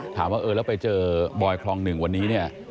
ถามว่าเออแล้วไปเจอบอยคลอง๑วันนี้เนี่ย